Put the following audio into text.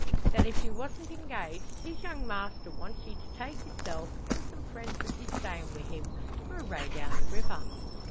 "That if you wasn't engaged, his young master wants ye to take hisself, and some friends that be staying wi' him, for a row down the river."